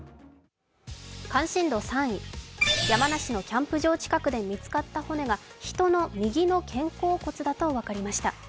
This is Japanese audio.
関心度３位、山梨のキャンプ場近くで見つかった骨は人の右の肩甲骨だと分かりました。